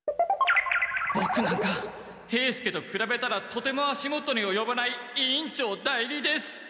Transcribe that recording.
ボクなんか兵助とくらべたらとても足元におよばない委員長代理です。